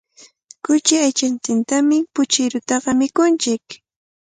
Kuchi aychantintami puchirutaqa mikunchik.